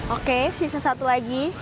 oke sisa satu lagi